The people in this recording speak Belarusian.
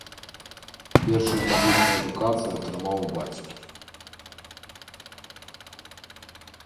Першую музычную адукацыю атрымаў у бацькі.